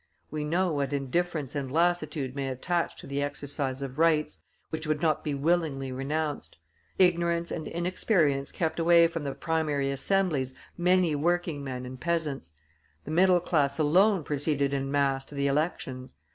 We know what indifference and lassitude may attach to the exercise of rights which would not be willingly renounced; ignorance and inexperience kept away from the primary assemblies many working men and peasants; the middle class alone proceeded in mass to the elections.